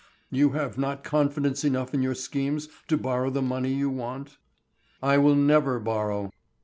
"You have not confidence enough in your schemes to borrow the money you want?" "I will never borrow."